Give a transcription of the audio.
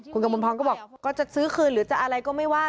คุณกมลพรก็บอกก็จะซื้อคืนหรือจะอะไรก็ไม่ว่า